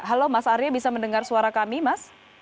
halo mas arya bisa mendengar suara kami mas